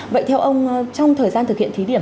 vậy theo ông trong thời gian thực hiện thí điểm